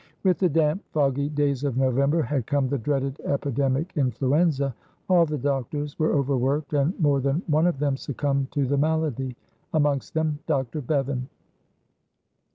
With the damp, foggy days of November had come the dreaded epidemic, influenza. All the doctors were overworked, and more than one of them succumbed to the malady, amongst them Dr. Bevan.